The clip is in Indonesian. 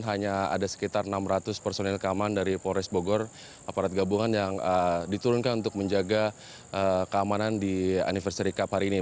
hanya ada sekitar enam ratus personil keamanan dari polres bogor aparat gabungan yang diturunkan untuk menjaga keamanan di anniversary cup hari ini